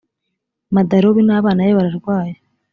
madarubi n ‘abana be bararwaye.